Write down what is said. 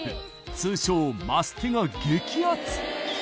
通称マステが激アツ！